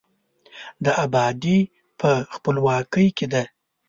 د آبادي په، خپلواکۍ کې ده.